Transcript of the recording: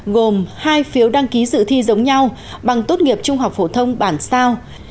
gồm hai phiếu đăng ký dự thi giống nhau bằng tốt nghiệp trung học phổ thông bản sao